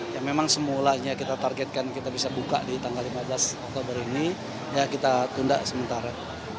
yang memang semulanya kita targetkan kita bisa buka di tanggal lima belas oktober ini ya kita tunda sementara